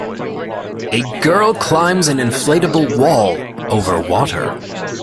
A girl climbs an inflatable wall over water